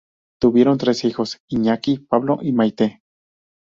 Tuvieron tres hijos: Iñaki, Pablo y Maite.